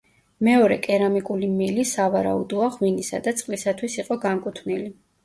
მეორე კერამიკული მილი, სავარაუდოა, ღვინისა და წყლისათვის იყო განკუთვნილი.